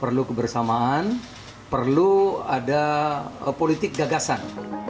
perlu kebersamaan perlu ada politik gagasan